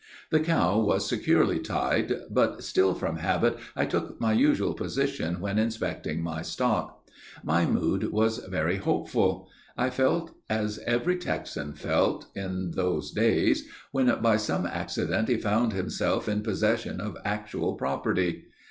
The cow was securely tied, but still from habit I took my usual position when inspecting my stock. My mood was very hopeful. I felt as every Texan felt, in those days, when by some accident he found himself in possession of actual property.